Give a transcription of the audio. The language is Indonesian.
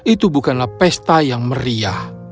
itu bukanlah pesta yang meriah